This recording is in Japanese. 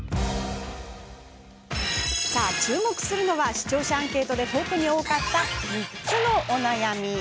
注目するのは視聴者アンケートで特に多かった３つのお悩み。